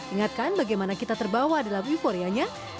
ingatkan bagaimana kita terbawa dalam euforianya